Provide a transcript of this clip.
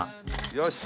よし。